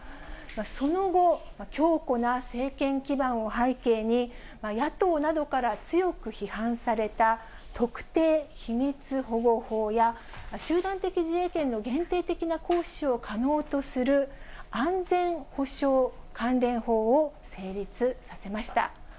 その後、強固な政権基盤を背景に、野党などから強く批判された特定秘密保護法や、集団的自衛権の限定的な行使を可能とする、安全保障関連法を成立させました。